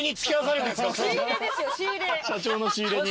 社長の仕入れに。